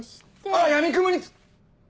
あっやみくもに。